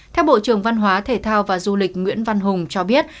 theo bộ trưởng văn hóa thể thao và du lịch nguyễn văn hùng cho biết